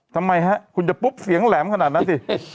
ทำไมฮะคุณจะปุ๊บเสียงแหลมขนาดนั้นสิ